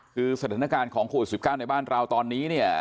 คือสถานการณ์ของโควิด๑๙ในบ้านเราตอนนี้เนี่ย